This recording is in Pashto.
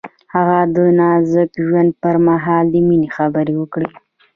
هغه د نازک ژوند پر مهال د مینې خبرې وکړې.